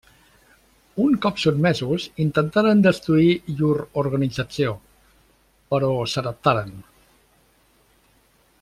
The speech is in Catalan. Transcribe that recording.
Un cop sotmesos, intentaren destruir llur organització, però s'adaptaren.